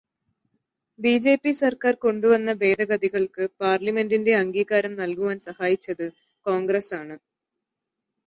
BJP സര്ക്കാര് കൊണ്ടുവന്ന ഭേദഗതികള്ക്ക് പാര്ലമെന്റിന്റെ അംഗീകാരം നല്കുവാന് സഹായിച്ചത് കോണ്ഗ്രസ്സാണ്.